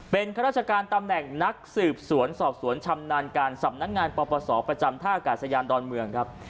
เป็นข้าราชการตำแหน่งนักสืบสวนสอบสวนชำนาญการสำนักงานปปศประจำท่ากาศยานดอนเมืองครับ